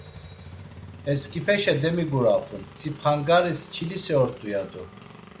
Esǩipeşe demigurapun, Tzipxangaris çilise ort̆u ya do.